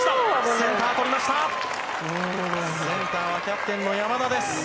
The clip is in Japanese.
センターはキャプテンの山田です。